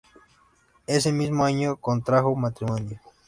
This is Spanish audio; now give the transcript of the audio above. Ese mismo año contrajo matrimonio.